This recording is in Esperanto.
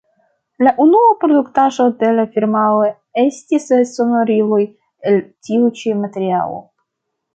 La unua produktaĵo de la firmao estis sonoriloj el tiu ĉi materialo.